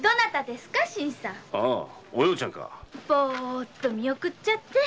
ボーッと見送っちゃって！